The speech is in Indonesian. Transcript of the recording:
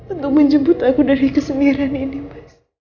untuk menjemput aku dari kesembiran ini mas